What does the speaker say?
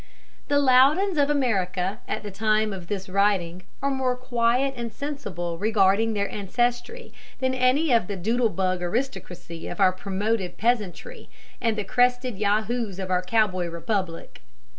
The Loudons of America at the time of this writing are more quiet and sensible regarding their ancestry than any of the doodle bug aristocracy of our promoted peasantry and the crested Yahoos of our cowboy republic.